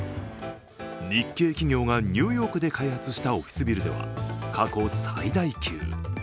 日系企業がニューヨークで開発したオフィスビルでは過去最大級。